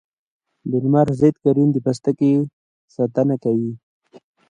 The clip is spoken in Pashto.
د لمر ضد کریم د پوستکي ساتنه کوي